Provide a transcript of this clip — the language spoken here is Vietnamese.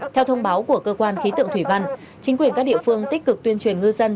theo thông báo của cơ quan khí tượng thủy văn chính quyền các địa phương tích cực tuyên truyền ngư dân